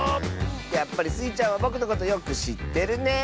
やっぱりスイちゃんはぼくのことよくしってるねえ。